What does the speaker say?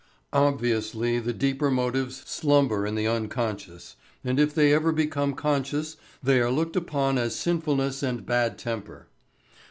Obviously the deeper motives slumber in the unconscious, and if they ever become conscious they are looked upon as sinfulness and bad temper.